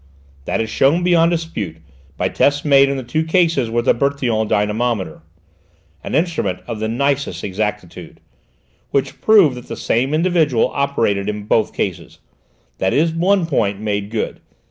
"That is shown beyond dispute by tests made in the two cases with a Bertillon dynamometer, an instrument of the nicest exactitude, which proved that the same individual operated in both cases; that is one point made good.